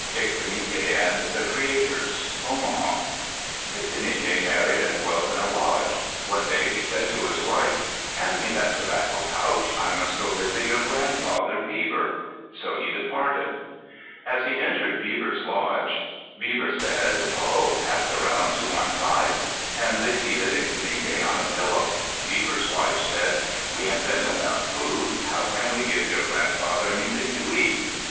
ICTINIKE AND THE CREATORS Omaha Ictinike married and dwelt in a lodge. One day he said to his wife, "Hand me that tobacco pouch. I must go visit your grandfather, Beaver." So he departed. As he was entering Beaver's lodge, Beaver said, "Ho, pass around to one side." And they seated Ictinike on a pillow. Beaver's wife said, "We have been without food. How can we give your grandfather anything to eat?"